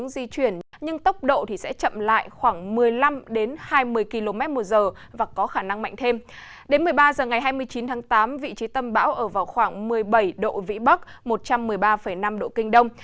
đến một mươi ba h ngày hai mươi chín tháng tám vị trí tâm bão ở vào khoảng một mươi bảy độ vĩ bắc một trăm một mươi ba năm độ kinh đông